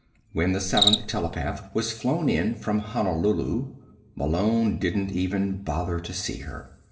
When the seventh telepath was flown in from Honolulu, Malone didn't even bother to see her.